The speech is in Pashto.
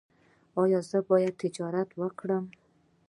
ایا زه باید تجارت وکړم؟